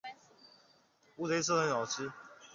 乌贼丝很好吃